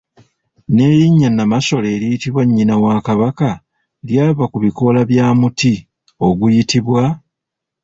N'erinnya Nnamasole eriyitibwa nnyina wa Kabaka lyava ku bikoola bya muti oguyitibwa.